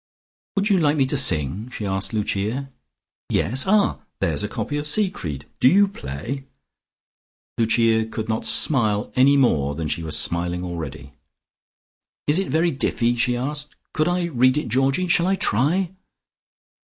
"Would you like me to sing?" she asked Lucia. "Yes? Ah, there's a copy of Siegfried. Do you play?" Lucia could not smile any more than she was smiling already. "Is it very diffy?" she asked. "Could I read it, Georgie? Shall I try?"